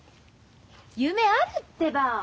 夢あるってば。